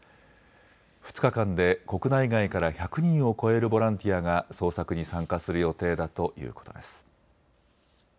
２日間で国内外から１００人を超えるボランティアが捜索に参加する予定だということです。